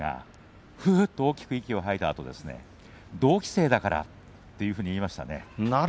ふうっと大きく息を吐いたあと同期生だからというふうに言いました。